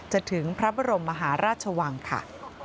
ถึงพระบรมมหาราชวังค่ะ